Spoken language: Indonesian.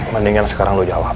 mendingan sekarang lu jawab